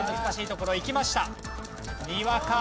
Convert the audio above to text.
難しいところいきました。